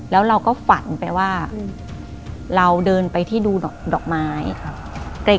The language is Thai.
แล้วเราก็ฝันไปว่าเราเดินไปที่ดูดอกไม้